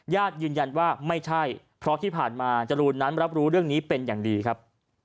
ยืนยันว่าไม่ใช่เพราะที่ผ่านมาจรูนนั้นรับรู้เรื่องนี้เป็นอย่างดีครับ